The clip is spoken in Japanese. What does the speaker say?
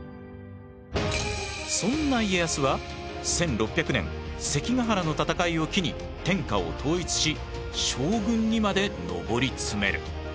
そんな家康は１６００年関ヶ原の戦いを機に天下を統一し将軍にまで上り詰める。